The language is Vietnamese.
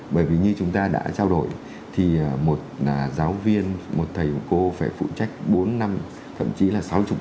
bởi vì như chúng ta đã trao đổi thì một giáo viên một thầy cô phải phụ trách bốn năm thậm chí là sáu mươi